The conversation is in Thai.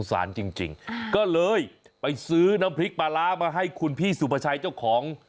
สารจริงก็เลยไปซื้อน้ำพริกปลาร้ามาให้คุณพี่สุภาชัยเจ้าของ